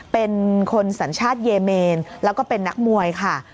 เป็นคนสัญชาติเยเมนแล้วก็เป็นนักมวยค่ะ